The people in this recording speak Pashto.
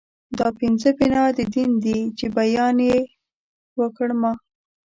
دا پنځه بنا د دين دي چې بیان يې وکړ ما